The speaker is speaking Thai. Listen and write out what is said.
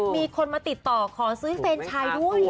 มีคนมาติดต่อขอซื้อแฟนชายด้วย